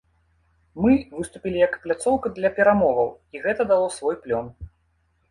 Мы выступілі як пляцоўка для перамоваў, і гэта дало свой плён.